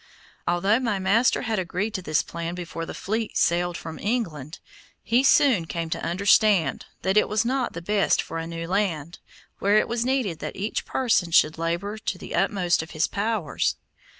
Although my master had agreed to this plan before the fleet sailed from England, he soon came to understand that it was not the best for a new land, where it was needed that each person should labor to the utmost of his powers.